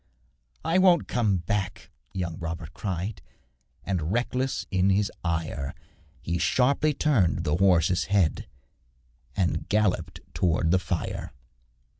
'I won't come back,' young Robert cried, And, reckless in his ire, He sharply turned his horse's head And galloped towards the fire.